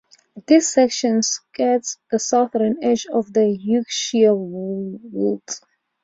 This section skirts the southern edge of the Yorkshire Wolds.